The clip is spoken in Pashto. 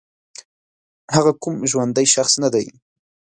هغه کوم ژوندی شخص نه دی